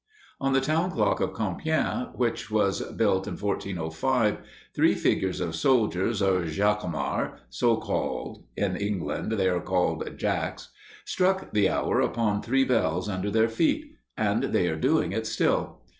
On the town clock of Compiègne, which was built in 1405, three figures of soldiers, or "jaquemarts," so called (in England they are called "Jacks"), struck the hour upon three bells under their feet; and they are doing it still.